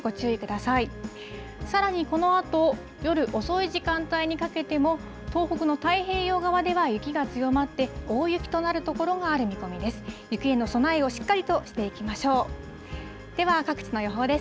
さらにこのあと、夜遅い時間帯にかけても、東北の太平洋側では雪が強まって、大雪となる所がある見込みです。